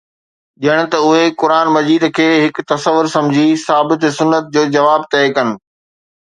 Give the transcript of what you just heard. ڄڻ ته اهي قرآن مجيد کي هڪ تصور سمجهي، ثابت سنت جو جواب طئي ڪن.